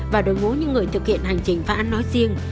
và đổi mũ những người thực hiện hành trình phá án nói riêng